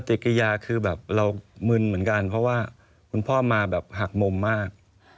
กิยาคือแบบเรามึนเหมือนกันเพราะว่าคุณพ่อมาแบบหักมุมมาก